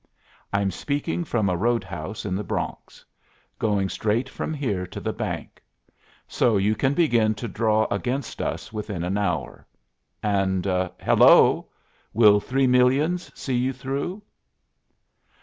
I'm speaking from a roadhouse in the Bronx; going straight from here to the bank. So you can begin to draw against us within an hour. And hello! will three millions see you through?"